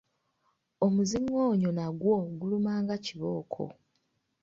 Omuzingoonyo nagwo guluma nga kibooko.